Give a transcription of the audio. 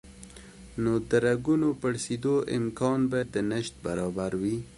نو د رګونو پړسېدو امکان به د نشت برابر وي